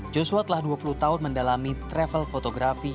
joshua telah dua puluh tahun mendalami travel fotografi